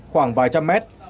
khoảng vài trăm mét